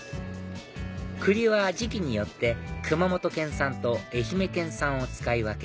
栗は時期によって熊本県産と愛媛県産を使い分け